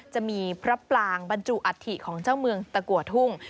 จะมีพระปรางบรรจุอัฐิของเจ้าเมืองตะกัวทุ่ง